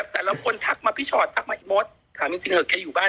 แบบแต่แล้วพี่ขอลพิชาติมาสั่งมา